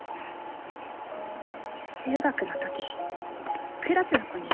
中学の時クラスの子に言われたんだ。